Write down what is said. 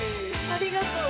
ありがとう。